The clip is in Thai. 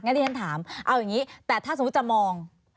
ที่ฉันถามเอาอย่างนี้แต่ถ้าสมมุติจะมอง